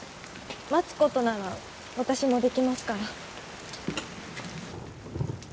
待つことなら私もできますから。